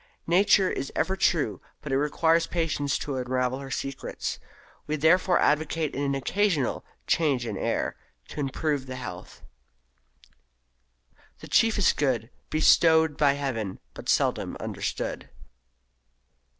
Nature is ever true, but it requires patience to unravel her secrets. We therefore advocate an occasional "change of air" to improve the health "The chiefest good, Bestow'd by Heaven, but seldom understood."